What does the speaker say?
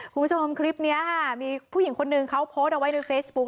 คุณผู้ชมคลิปนี้ค่ะมีผู้หญิงคนหนึ่งเขาโพสต์เอาไว้ในเฟซบุ๊ค